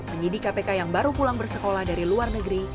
penyidik kpk yang baru pulang bersekolah dari luar negeri